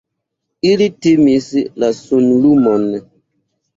Ili timis la sunlumon.